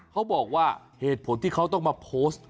เขาบอกว่าเหตุผลที่เขาต้องมาโพสต์